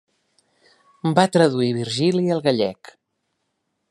Va traduir Virgili al gallec.